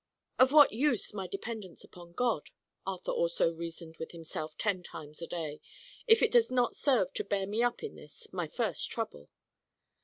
"Of what use my dependence upon God," Arthur also reasoned with himself ten times a day, "if it does not serve to bear me up in this, my first trouble?